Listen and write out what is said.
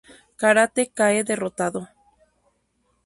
Karate cae derrotado.